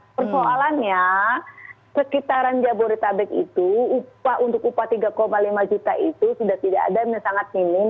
persoalannya sekitaran jabodetabek itu upah untuk upah tiga lima juta itu sudah tidak ada dan sangat minim